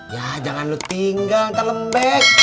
yah jangan lo tinggal ntar lembek